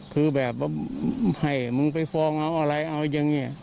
คือแบบว่าให้มึงไปฟ้องเอาอะไรเอาอย่างนี้